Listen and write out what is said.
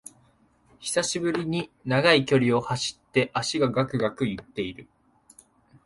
久しぶりに長い距離を走って脚がガクガクいってる